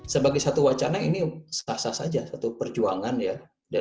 sebagai satu wacana ini sah sah saja satu perjuangan ya